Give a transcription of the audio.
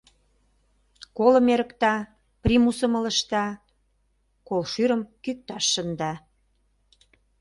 Колым эрыкта, примусым ылыжта, кол шӱрым кӱкташ шында.